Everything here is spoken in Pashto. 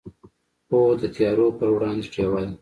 پوهه د تیارو پر وړاندې ډیوه ده.